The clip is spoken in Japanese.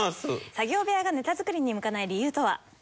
作業部屋がネタ作りに向かない理由とは？